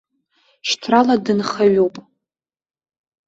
Шьҭрала дынхаҩуп.